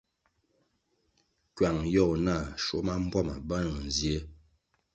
Kywang yogo nah schuo ma mbpuama benoh nzie.